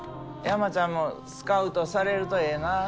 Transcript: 山ちゃんもスカウトされるとええなあ。